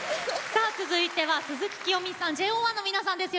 続いては、鈴木聖美さんＪＯ１の皆さんです。